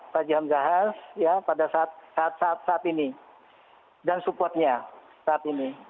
fadzi hamzahas ya pada saat saat ini dan support nya saat ini